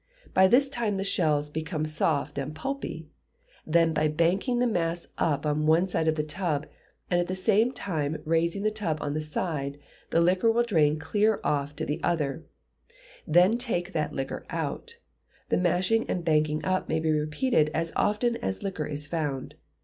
By this time the shells become soft and pulpy, then by banking the mass up on one side of the tub, and at the same time raising the tub on that side, the liquor will drain clear off to the other; then take that liquor out: the mashing and banking up may be repeated as often as liquor is found.